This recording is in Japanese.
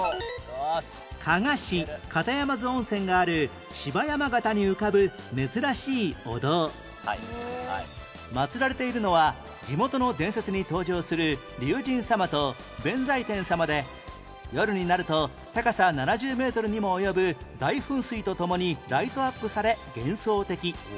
加賀市片山津温泉がある祀られているのは地元の伝説に登場する竜神様と弁財天様で夜になると高さ７０メートルにも及ぶ大噴水とともにライトアップされ幻想的